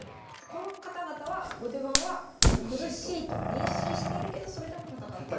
この方々は後手番はもう苦しいと認識しているけどそれでも戦っていると。